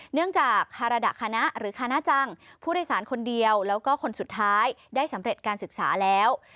เนื่องจากคารดะคณะหรือคณะจังผู้โดยสารคนเดียวแล้วก็คนสุดท้ายได้สำเร็จการศึกษาแล้ว